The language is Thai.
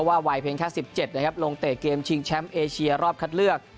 วัยเพียงแค่๑๗นะครับลงเตะเกมชิงแชมป์เอเชียรอบคัดเลือก